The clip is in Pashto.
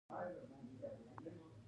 يو پرهر مې روغ نه شو